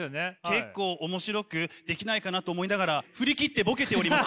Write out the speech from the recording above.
結構面白くできないかなと思いながら振り切ってボケております。